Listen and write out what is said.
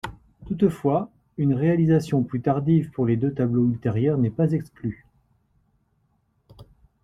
Toutefois, une réalisation plus tardive pour les deux tableaux ultérieurs n'est pas exclue.